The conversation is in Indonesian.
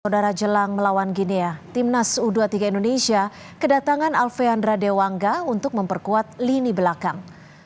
saudara jelang melawan gini ya timnas u dua puluh tiga indonesia kedatangan alfeandra dewanga untuk memperkuat lini belakang